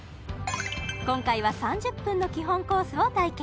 今回は３０分の基本コースを体験